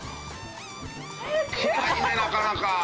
着ないねなかなか。